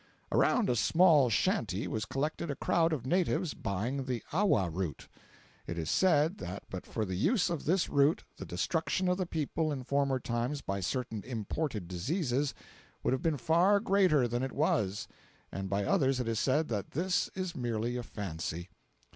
Around a small shanty was collected a crowd of natives buying the awa root. It is said that but for the use of this root the destruction of the people in former times by certain imported diseases would have been far greater than it was, and by others it is said that this is merely a fancy.